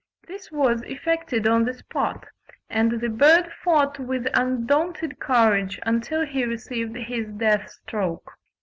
This was effected on the spot, and the bird fought with undaunted courage until he received his death stroke.